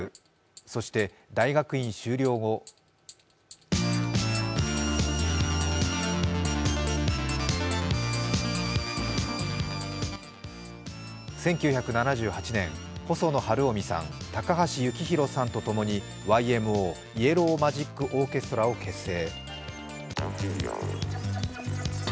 そして大学院修了後１９７８年、細野晴臣さん、高橋幸宏さんとともにＹＭＯ＝イエロー・マジック・オーケストラを結成。